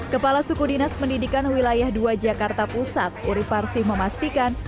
kepala suku dinas pendidikan wilayah dua jakarta pusat uri parsih memastikan